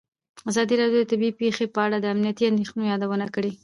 ازادي راډیو د طبیعي پېښې په اړه د امنیتي اندېښنو یادونه کړې.